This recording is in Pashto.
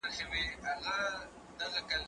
مينه وښيه؟